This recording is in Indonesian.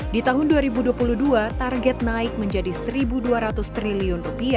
di tahun dua ribu dua puluh dua target naik menjadi rp satu dua ratus triliun